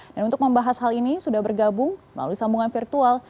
dan untuk membahas hal ini sudah bergabung melalui sambungan virtual